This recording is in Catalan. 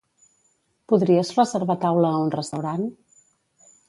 Podries reservar taula a un restaurant?